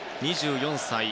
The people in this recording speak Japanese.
２４歳。